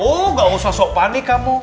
oh gak usah sok panik kamu